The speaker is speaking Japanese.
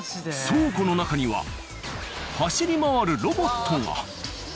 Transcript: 倉庫の中には走り回るロボットが。